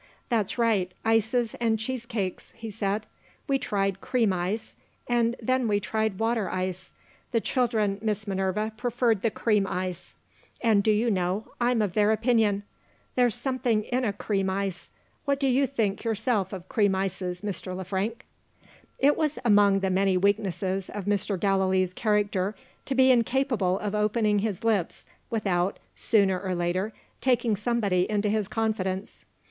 "That's right ices and cheese cakes," he said. "We tried cream ice, and then we tried water ice. The children, Miss Minerva, preferred the cream ice. And, do you know, I'm of their opinion. There's something in a cream ice what do you think yourself of cream ices, Mr. Le Frank?" It was one among the many weaknesses of Mr. Gallilee's character to be incapable of opening his lips without, sooner or later, taking somebody into his confidence.